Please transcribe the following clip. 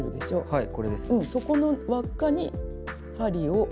はい。